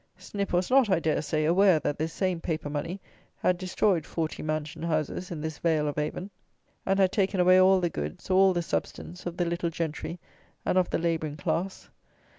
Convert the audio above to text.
Snip was not, I dare say, aware that this same paper money had destroyed forty mansion houses in this Vale of Avon, and had taken away all the goods, all the substance, of the little gentry and of the labouring class.